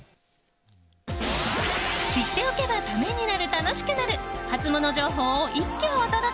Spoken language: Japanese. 知っておけばためになる、楽しくなるハツモノ情報を一挙お届け。